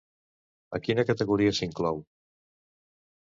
A quina categoria s'inclou?